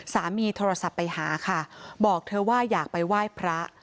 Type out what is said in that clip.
สามีโทรศัพท์ไปหาค่ะบอกเธอว่าอยากไปไหว้พระ